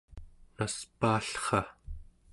naspaallra